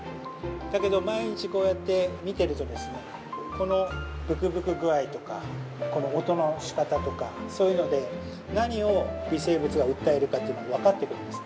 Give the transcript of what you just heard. だけど、毎日こうやって見てるとこのぶくぶくぐあいとか音の仕方とか、そういうので何を微生物が訴えるかっていうのが分かってくるんです。